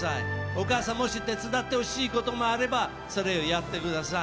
お母さんがもし手伝ってほしいことがあればそれをやってください。